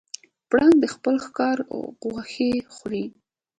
پړانګ د خپل ښکار غوښې خوري.